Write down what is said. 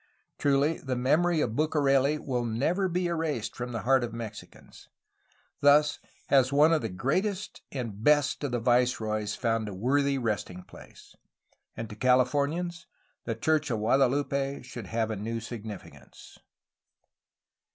Truly the memory of Bucareli ^Svill never be erased from the heart of Mexicans. '^ Thus has one of the greatest and best of the viceroys found a worthy resting place. And to Cahfornians the church of Guadalupe should have a new significance.